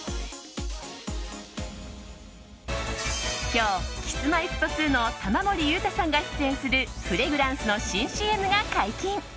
今日、Ｋｉｓ‐Ｍｙ‐Ｆｔ２の玉森裕太さんが出演するフレグランスの新ＣＭが解禁。